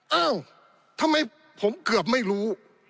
เอ้าทำไมผมเกือบไม่รู้